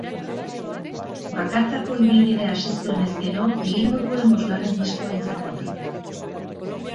Bakarkako ibilbide hasi zuenez gero egingo duen bosgarren diskoa izango da.